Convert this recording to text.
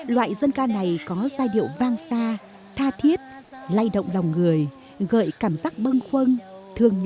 loại dân ca này có giai điệu vang xa tha thiết lay động lòng người gợi cảm giác bâng khuâng thương nhớ